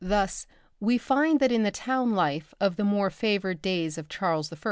Thus we find that in the town life of the more favoured days of Charles I.